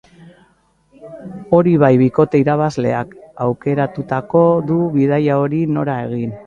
Hori bai, bikote irabazleak aukeratuko du bidaia hori nora egin.